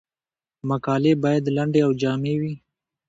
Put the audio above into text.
مقالې باید لنډې او جامع وي.